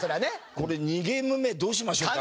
「これ２ゲーム目どうしましょうか？」。